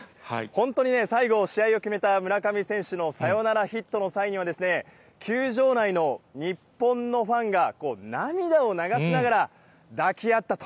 本当にね、最後、試合を決めた村上選手のサヨナラヒットの際には、球場内の日本のファンが涙を流しながら抱き合ったと。